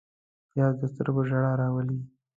پیاز د سترګو ژړا راولي